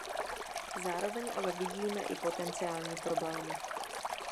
Zároveň ale vidíme i potenciální problémy.